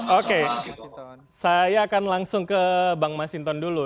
oke saya akan langsung ke bang masinton dulu